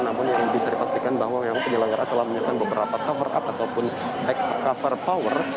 namun yang bisa dipastikan bahwa penyelenggara telah menyertai beberapa cover up ataupun cover power